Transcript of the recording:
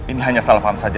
ini hanya salah paham saja